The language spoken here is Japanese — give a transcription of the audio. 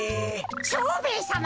蝶兵衛さま